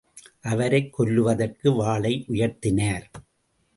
அவரைக் கொல்வதற்கு வாளை உயர்த்தினார்.